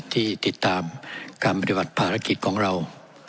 ที่ติดตามการปฏิบัติภารกิจของเรา